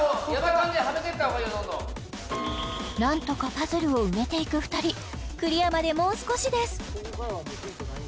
どんどんなんとかパズルを埋めていく２人クリアまでもう少しです